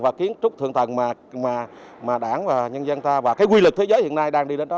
và kiến trúc thượng tầng mà đảng và nhân dân ta và cái quy lực thế giới hiện nay đang đi đến đó